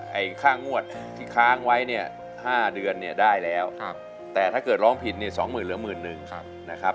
ไอ้ค่างวัดที่ค้างไว้เนี่ย๕เดือนเนี่ยได้แล้วแต่ถ้าเกิดร้องผิดเนี่ย๒๐๐๐๐เหลือ๑๐๐๐๐นะครับ